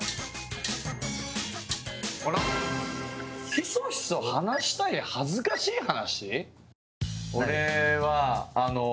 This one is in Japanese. ひそひそ話したい恥ずかしい話。